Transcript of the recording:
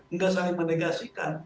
nggak saling menegasikan